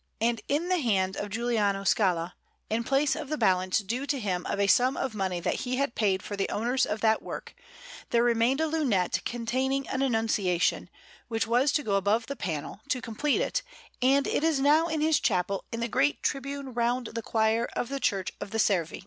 And in the hands of Giuliano Scala, in place of the balance due to him of a sum of money that he had paid for the owners of that work, there remained a lunette containing an Annunciation, which was to go above the panel, to complete it; and it is now in his chapel in the great tribune round the choir of the Church of the Servi.